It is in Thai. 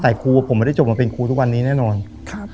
แต่ครูผมไม่ได้จบมาเป็นครูทุกวันนี้แน่นอนครับ